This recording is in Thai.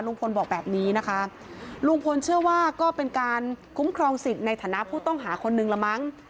บอกแบบนี้นะคะลุงพลเชื่อว่าก็เป็นการคุ้มครองสิทธิ์ในฐานะผู้ต้องหาคนนึงละมั้ง